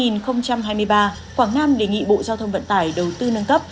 năm hai nghìn hai mươi ba quảng nam đề nghị bộ giao thông vận tải đầu tư nâng cấp